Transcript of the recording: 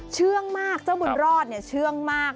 เชื่องมากเจ้าบุญรอดเนี่ยเชื่องมาก